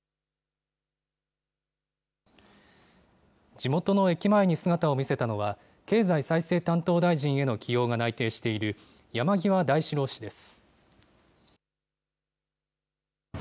地元の駅前に姿を見せたのは、経済再生担当大臣への起用が内定している山際大志郎氏です。